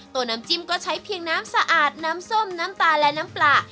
ตัวน้ำจิ้มก็ใช้เพียงน้ำสะอาดน้ำส้มน้ำตาลและน้ำปลา